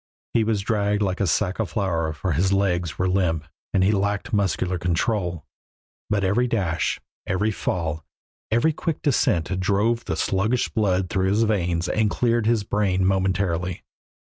He was dragged like a sack of flour for his legs were limp and he lacked muscular control, but every dash, every fall, every quick descent drove the sluggish blood through his veins and cleared his brain momentarily.